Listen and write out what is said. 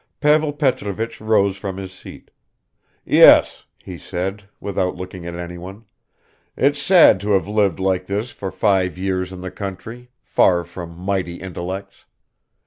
Pavel Petrovich rose from his seat. "Yes," he said, without looking at anyone; "it's sad to have lived like this for five years in the country, far from mighty intellects!